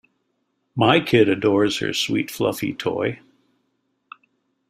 My kid adores her sweet fluffy toy.